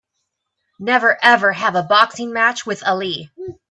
Never ever have a boxing match with Ali!